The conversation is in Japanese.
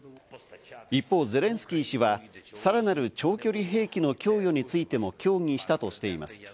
一方、ゼレンスキー氏はさらなる長距離兵器の供与についても協議したとしています。